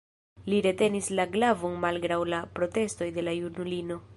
Li retenis la glavon malgraŭ la protestoj de la junulino.